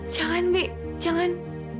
jangan bi jangan